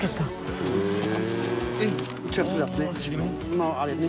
まぁあれね。